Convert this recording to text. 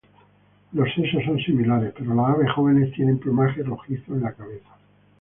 Los sexos son similares, pero las aves jóvenes tienen plumaje rojizo en la cabeza.